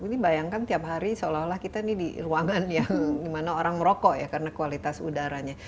ini bayangkan tiap hari seolah olah kita ini di ruangan yang dimana orang merokok ya karena kualitas udaranya